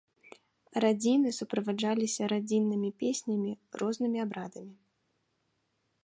Радзіны суправаджаліся радзіннымі песнямі, рознымі абрадамі.